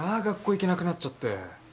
学校行けなくなっちゃって。